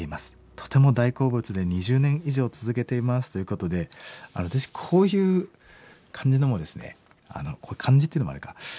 とても大好物で２０年以上続けています」ということでぜひこういう感じのもですね感じっていうのもあれか。